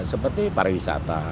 seperti para wisata